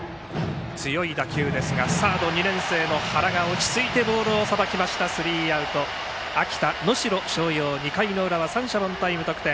強い打球ですがサード、２年生の原がボールをさばいてスリーアウト、秋田・能代松陽２回裏は三者凡退で無得点。